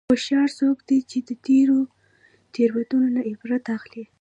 هوښیار څوک دی چې د تېرو تېروتنو نه عبرت اخلي.